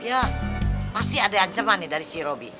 ya pasti ada ancaman nih dari si roby